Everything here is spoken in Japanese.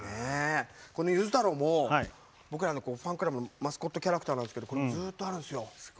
ゆず太郎も僕らのファンクラブのマスコットキャラクターなんですけどずっとあるんですよ。